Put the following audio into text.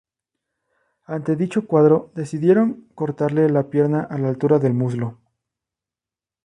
Ante dicho cuadro decidieron cortarle la pierna a la altura del muslo.